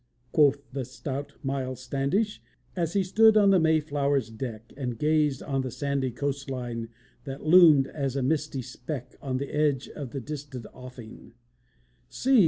quoth the stout Miles Standish, As he stood on the Mayflower's deck, And gazed on the sandy coast line That loomed as a misty speck On the edge of the distant offing, "See!